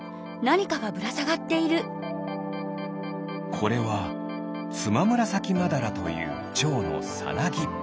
これはツマムラサキマダラというちょうのさなぎ。